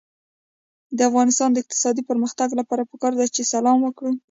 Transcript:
د افغانستان د اقتصادي پرمختګ لپاره پکار ده چې سلام وکړو.